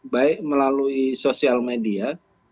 baik melalui sosial media